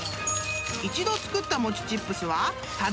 ［一度作った餅チップスは］